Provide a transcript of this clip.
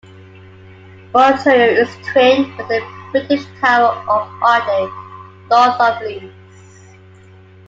Montereau is twinned with the British town of Otley, north of Leeds.